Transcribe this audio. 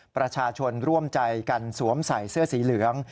ประชาชนร่วมใจกันสวมใส่เสื้อสีเหลือง